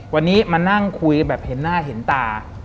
วันนี้มานั่งคุยแบบเห็นหน้าเห็นตา